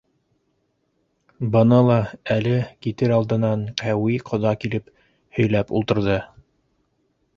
Быны ла әле китер алдынан Ҡәүи ҡоҙа килеп һөйләп ултырҙы.